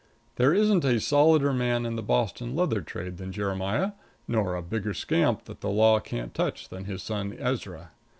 There isn't a solider man in the Boston leather trade than Jeremiah, nor a bigger scamp that the law can't touch than his son Ezra.